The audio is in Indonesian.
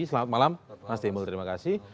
selamat malam mas timbul terima kasih